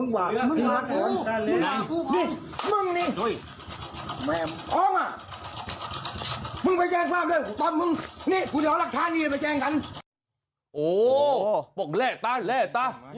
โหบอกแร่ต้าแร่ต้า